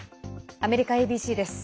アメリカＡＢＣです。